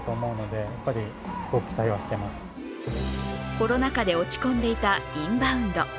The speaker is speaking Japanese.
コロナ禍で落ち込んでいたインバウンド。